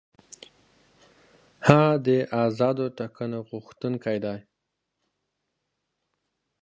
هغه د آزادو ټاکنو غوښتونکی دی.